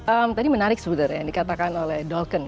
ehm tadi menarik sebenarnya yang dikatakan oleh dalken